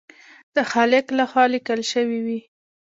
د خالق لخوا لیکل شوي وي.